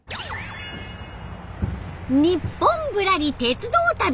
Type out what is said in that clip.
「ニッポンぶらり鉄道旅」。